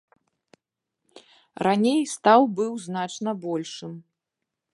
Раней стаў быў значна большым.